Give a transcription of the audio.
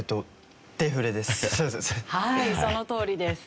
はいそのとおりです。